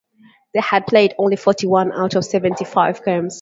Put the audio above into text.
They had played only forty-one out of seventy-five games.